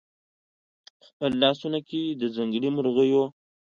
خپلو لاسونو کې د ځنګلي مرغیو